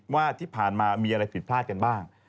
ว่าที่ผ่านมามีอะไรผิดพลาดกันบ้าง